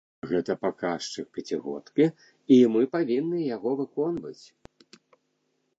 Гэта паказчык пяцігодкі, і мы павінны яго выконваць.